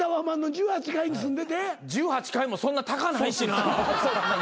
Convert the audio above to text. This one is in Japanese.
１８階もそんな高ないしな。